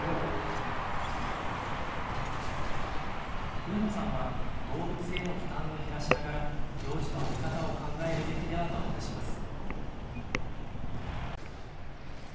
上野さんは動物への負担を減らしながら、行事の在り方を考えるべきではと話します。